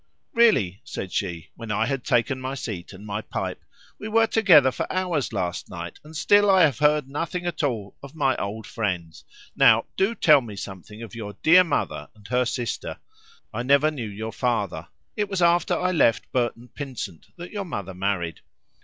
"Really," said she, when I had taken my seat and my pipe, "we were together for hours last night, and still I have heard nothing at all of my old friends; now do tell me something of your dear mother and her sister; I never knew your father—it was after I left Burton Pynsent that your mother married."